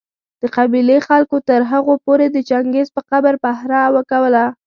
د قبېلې خلکو تر هغو پوري د چنګېز په قبر پهره کوله